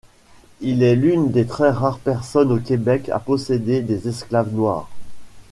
Il est une des très rares personnes au Québec à posséder des esclaves noirs.